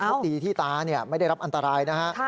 ไม่ต้องตีที่ตาเนี่ยไม่ได้รับอันตรายนะค่ะ